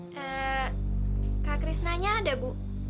kak krisnanya ada bu